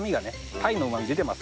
鯛のうまみ出てます。